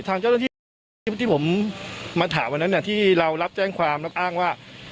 ทางเจ้าหน้าที่ที่ผมมาถามวันนั้นที่เรารับแจ้งความแล้วก็อ้างว่า